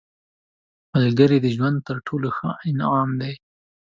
ملګری د ژوند تر ټولو ښه انعام دی